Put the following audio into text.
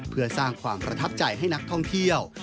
เพื่อสร้างความประทับใจให้นักท่องเที่ยว